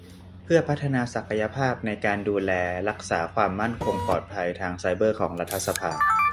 เพื่อพัฒนาศักยภาพในการดูแลรักษาความมั่นคงปลอดภัยทางไซเบอร์ของรัฐสภา